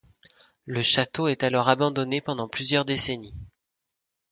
Le château est alors abandonné pendant plusieurs décennies.